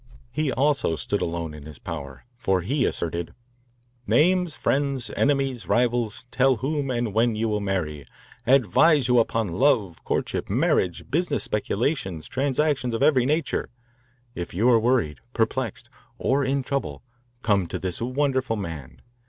He also stood alone in his power, for he asserted: Names friends, enemies, rivals, tells whom and when you will marry, advises you upon love, courtship, marriage, business, speculation, transactions of every nature. If you are worried, perplexed, or in trouble come to this wonderful man.